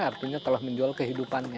artinya telah menjual kehidupannya